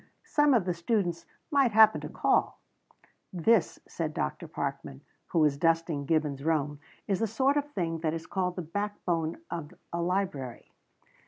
"Some of the students might happen to call." "This," said Dr. Parkman, who was dusting Gibbon's Rome, "is the sort of thing that is called the backbone of a library."